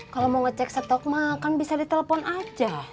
kalau mau ngecek stok makan bisa di telepon aja